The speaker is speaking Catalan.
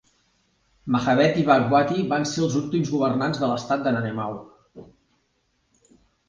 Mahaved i Bhagwati van ser els últims governants de l'Estat de Nanemau.